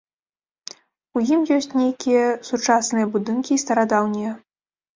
У ім ёсць нейкія сучасныя будынкі і старадаўнія.